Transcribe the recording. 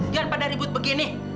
jangan pada ribut begini